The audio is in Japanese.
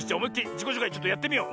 じこしょうかいちょっとやってみよう。